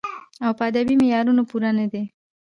او پۀ ادبې معيارونو پوره نۀ دی